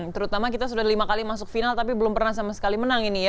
terutama kita sudah lima kali masuk final tapi belum pernah sama sekali menang ini ya